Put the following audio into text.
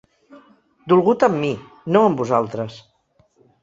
Dolgut amb mi, no amb vosaltres.